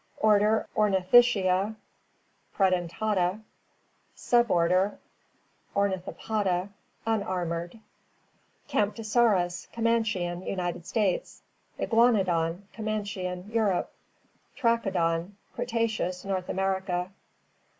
Order Ornithischia=Predentata Suborder Ornithopoda — unarmored * Camptosaurus — Comanchian; United States. * Iguanodon — Comanchian; Europe. * Trachodon — Cretaceous; North America.